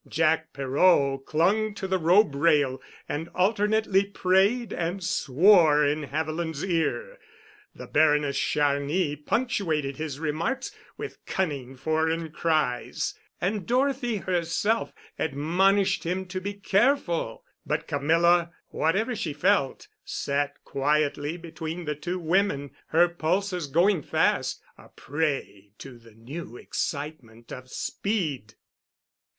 Jack Perot clung to the robe rail, and alternately prayed and swore in Haviland's ear; the Baroness Charny punctuated his remarks with cunning foreign cries, and Dorothy herself admonished him to be careful, but Camilla, whatever she felt, sat quietly between the two women, her pulses going fast, a prey to the new excitement of speed.